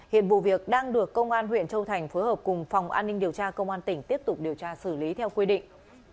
hiện vụ việc đang được công an huyện châu thành phối hợp cùng phòng an ninh điều tra công an tỉnh tiếp tục điều tra xử lý theo quy định